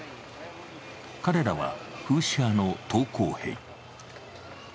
彼らはフーシ派の投降兵。